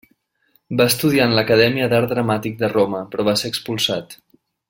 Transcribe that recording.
Va estudiar en l'Acadèmia d'Art Dramàtic de Roma, però va ser expulsat.